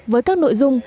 với các nội dung